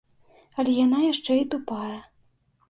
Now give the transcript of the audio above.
Але яна яшчэ і тупая.